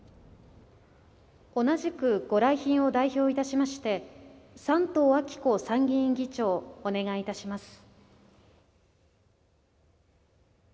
同じく御来賓を代表いたしまして山東昭子参議院議長お願いいたします。